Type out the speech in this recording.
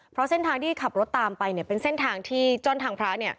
เพราะเส้นทางที่ขับรถตามไปเป็นเส้นทางที่จ้อนทางพระ